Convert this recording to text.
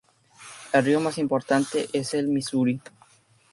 El río más importante es el Misuri.